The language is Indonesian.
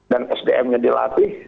dan sdm nya dilatih